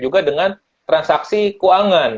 juga dengan transaksi keuangan